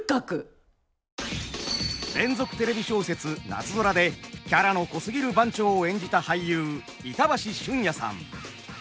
連続テレビ小説「なつぞら」でキャラの濃すぎる番長を演じた俳優板橋駿谷さん。